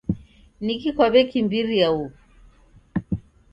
Niki kwaw'ekimbiria uw'u?